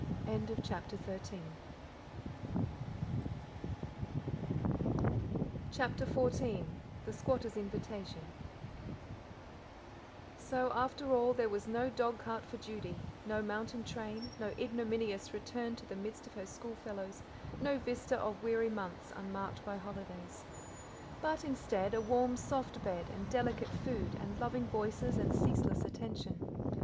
CHAPTER XIV The Squatter's Invitation After all there was no dogcart for Judy, no mountain train, no ignominious return to the midst of her schoolfellows, no vista of weary months unmarked by holidays. But instead, a warm, soft bed, and delicate food, and loving voices and ceaseless attention.